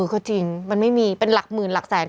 ก็จริงมันไม่มีเป็นหลักหมื่นหลักแสน